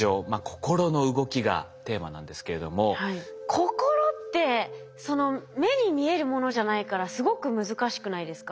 心って目に見えるものじゃないからすごく難しくないですか。